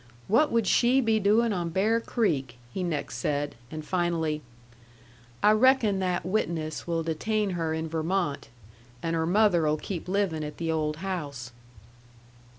"What would she be doing on Bear Creek?" he next said. And finally: "I reckon that witness will detain her in Vermont. And her mother'll keep livin' at the old house."